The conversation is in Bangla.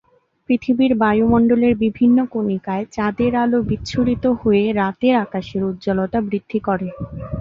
পৃথিবীর বায়ুমণ্ডলের বিভিন্ন কণিকায় চাঁদের আলো বিচ্ছুরিত হয়ে রাতের আকাশের উজ্জ্বলতা বৃদ্ধি করে।